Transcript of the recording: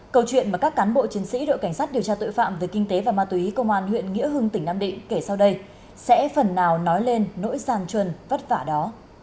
câu chuyện mà các cán bộ chiến sĩ đội cảnh sát điều tra tội phạm về kinh tế và ma túy công an huyện nghĩa hưng tỉnh nam định kể sau đây sẽ phần nào nói lên nỗi sàn chuân vất vả đó